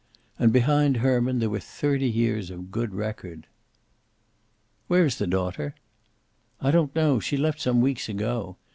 And behind Herman there were thirty years of good record. "Where is the daughter?" "I don't know. She left some weeks ago.